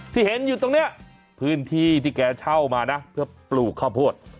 ที่เห็นอยู่ตรงนี้พื้นที่ที่แกเช่ามานะเพื่อปลูกข้าวโพด